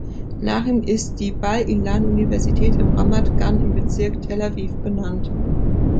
Nach ihm ist die Bar-Ilan-Universität in Ramat Gan im Bezirk Tel Aviv benannt.